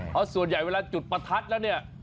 เพราะส่วนใหญ่เวลาจุดประทัดแล้วเนี่ย